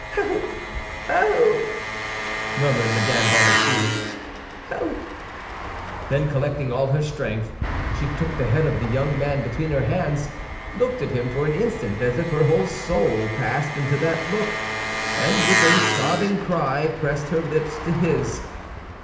Help, help!" murmured Mme. Bonacieux; "help!" Then, collecting all her strength, she took the head of the young man between her hands, looked at him for an instant as if her whole soul passed into that look, and with a sobbing cry pressed her lips to his.